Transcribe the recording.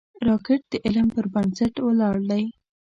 راکټ د علم پر بنسټ ولاړ دی